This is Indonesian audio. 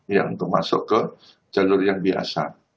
ya untuk masuk ke jalur yang biasa